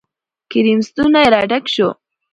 کريم ستونى را ډک شو.